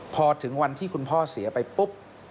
พอถึงวันที่คุณพ่อเสียไปปุ๊บ